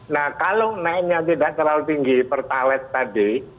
nah kalau naiknya tidak terlalu tinggi pertalite tadi